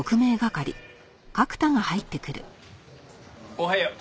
おはよう。